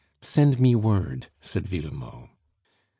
"Send me word," said Villemot.